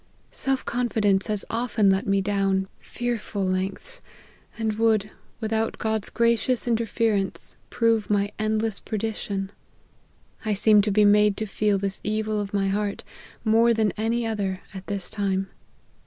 Sell ccnfidence has often let me down fearful lengths ; and would, without God's gracious interference, prove my endless perdition. I seem to be made to feel this evil of my heart, more than any other, at this time.